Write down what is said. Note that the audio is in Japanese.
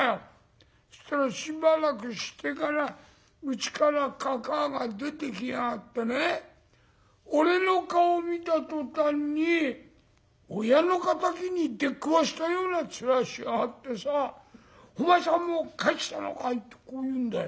そしたらしばらくしてからうちからかかあが出てきやがってね俺の顔見た途端に親の敵に出くわしたような面しやがってさ『お前さんもう帰ってきたのかい？』とこう言うんだよ。